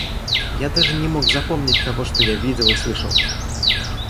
Я даже не мог запомнить того, что я видел и слышал.